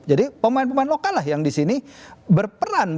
jadi pemain pemain lokal lah yang di sini berperan